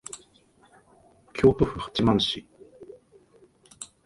京都府八幡市